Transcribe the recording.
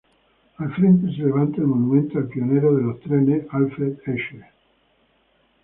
Al frente se levanta el monumento al pionero de los trenes, Alfred Escher.